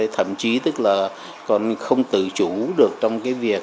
thậm chí tức là còn không tự chủ được trong cái việc